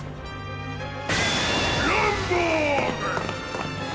・ランボーグ！